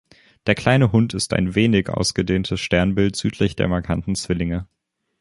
Der Kleine Hund ist ein wenig ausgedehntes Sternbild südlich der markanten Zwillinge.